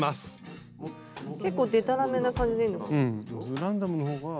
結構でたらめな感じでいいのかな。